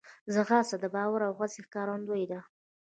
ځغاسته د باور او هڅې ښکارندوی ده